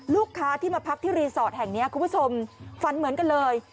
ลูกค้าที่มาพักที่รีสอร์ทแห่งนี้คุณผู้ชมฝันเหมือนกันเลย